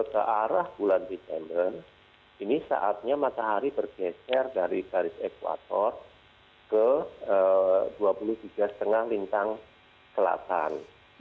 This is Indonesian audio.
seperti yang saya katakan dari bulan september ke arah bulan desember ini saatnya matahari bergeser dari garis ekuator ke dua puluh tiga lima lintang selatan